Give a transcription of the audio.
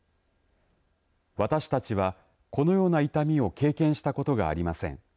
私たちはこのような痛みを経験したことがありません。